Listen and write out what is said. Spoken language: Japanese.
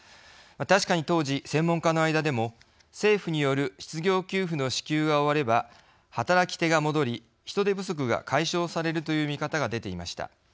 確かに当時専門家の間でも政府による失業給付の支給が終われば働き手が戻り人手不足が解消されるという見方が出ていました。